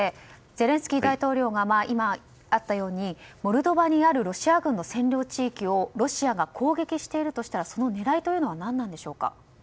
ゼレンスキー大統領が今あったようにモルドバにあるロシア軍の占領地域をロシアが攻撃しているとしたらその狙いは何なのでしょうか。